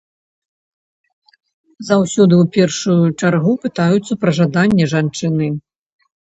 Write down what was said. Заўсёды ў першую чаргу пытаюцца пра жаданне жанчыны.